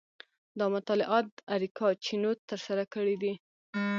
دا مطالعات اریکا چینوت ترسره کړي دي.